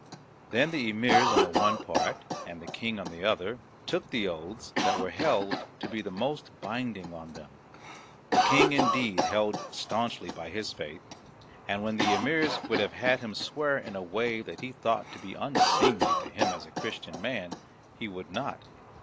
Then the emirs on the one part and the King on the other took the oaths that were held to be the most binding on them. The King indeed held staunchly by his faith, and when the emirs would have had him swear in a way that he thought to be unseemly to him as a Christian man he would not.